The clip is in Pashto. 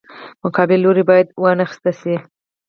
مقابل لوری باید وانخیستی شي.